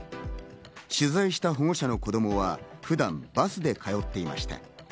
取材した保護者の子供は普段、バスで通っていました。